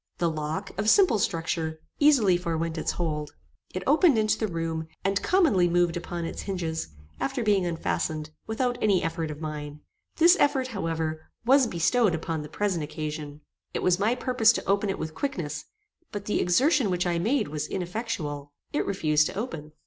The lock, of simple structure, easily forewent its hold. It opened into the room, and commonly moved upon its hinges, after being unfastened, without any effort of mine. This effort, however, was bestowed upon the present occasion. It was my purpose to open it with quickness, but the exertion which I made was ineffectual. It refused to open.